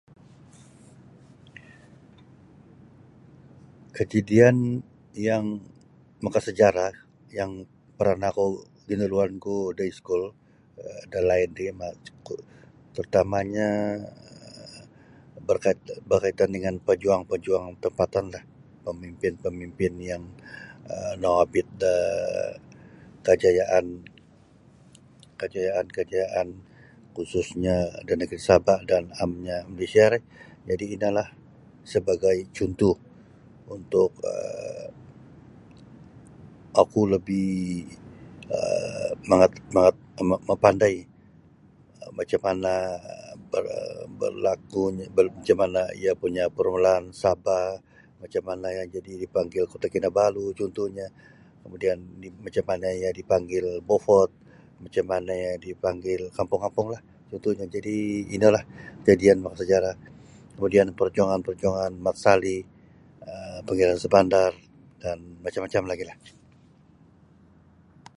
Kajadian yang maka sejarah yang paranah oku ginuruanku da iskul um dalaid ri mac ku tarutamanyo um barkait barkaitan dengan pajuang-pajuang tampatanlah pamimpin-pamimpin yang um nongobit da um kajayaan kajayaan- kajayaan khususnya da negri Sabah dan amnya Malaysia ri. jadi' inolah sebagai cuntuh untuk um oku lebih um mangat mangat mapandai macam mana berlakunyo macam mana iyo punya' parmulaan Sabah macam mana iyo buli dipanggil Kota Kinabalu cuntuhnya kamudian macam mana iyo dipanggil Beaufort macam mana iyo dipanggil kampung-kampunglah jadi' inolah kajadian makasejarah no kamudian parjuangan Mat Salleh Pangeran Shahbandar dan macam-macam lagi'lah.